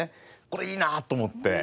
これいいな！と思って。